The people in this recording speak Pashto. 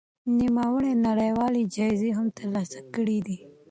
نوموړي نړيوالې جايزې هم ترلاسه کړې دي.